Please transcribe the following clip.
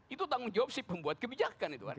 itu tanggung jawab pembuat kebijakan